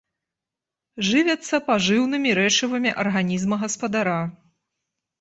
Жывяцца пажыўнымі рэчывамі арганізма гаспадара.